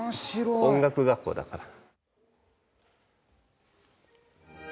音楽学校だから。